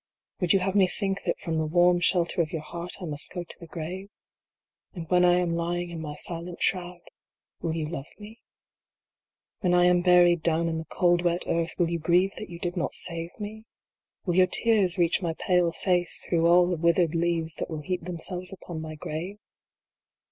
Would you have me think that from the warm shelter of your heart I must go to the grave ? And when I am lying in my silent shroud, will you love me ? When I am buried down in the cold, wet earth, will you grieve that you did not save me ? Will your tears reach my pale face through all the withered leaves that will heap themselves upon my grave